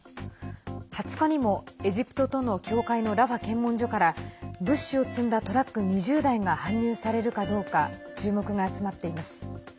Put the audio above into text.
２０日にもエジプトとの境界のラファ検問所から物資を積んだトラック２０台が搬入されるかどうか注目が集まっています。